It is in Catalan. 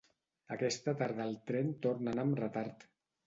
Aquesta tarda el tren torna a anar amb retard